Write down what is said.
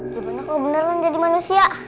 gimana kalo beneran jadi manusia